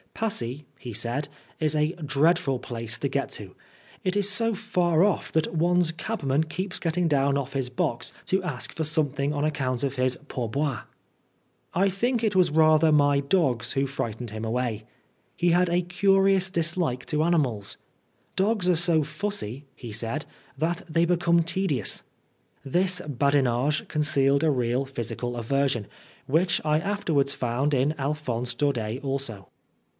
"Passy," he said, "is a dreadful place to get to. It is so far off that one's cabman keeps getting down off his box to ask for something on account of his pourboire" I think it was rather my dogs who fright ened him away. He had a curious dislike to animals. " Dogs are so fussy," he said, " that they become tedious." This badinage con cealed a real physical aversion, which I after wards found in Alphonse Daudet also.